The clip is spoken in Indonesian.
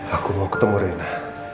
aku mau ketemu rena